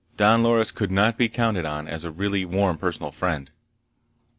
Don Loris could not be counted on as a really warm personal friend.